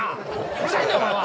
うるさいんだよお前は！